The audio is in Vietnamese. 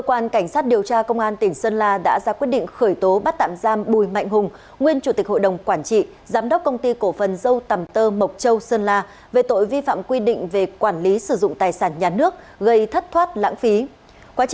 quá trình điều tra xác định trong thời gian giữ chức vụ chủ tịch hội đồng quản trị giám đốc công ty cổ phần dâu tàm tơ mộc châu